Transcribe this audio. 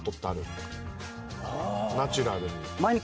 ナチュラルに。